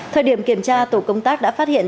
thời điểm kiểm tra tổ công tác đã phát hiện